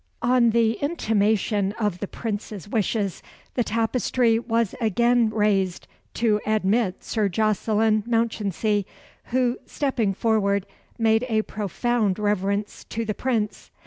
On the intimation of the Prince's wishes, the tapestry was again raised to admit Sir Jocelyn Mounchensey, who, stepping forward, made a profound reverence to the Prince.